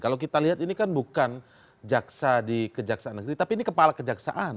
kalau kita lihat ini kan bukan jaksa di kejaksaan negeri tapi ini kepala kejaksaan